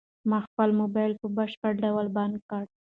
ما خپل موبايل په بشپړ ډول بند کړ.